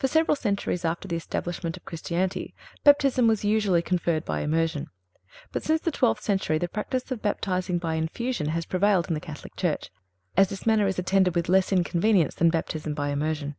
For several centuries after the establishment of Christianity Baptism was usually conferred by immersion; but since the twelfth century the practice of baptising by infusion has prevailed in the Catholic Church, as this manner is attended with less inconvenience than Baptism by immersion.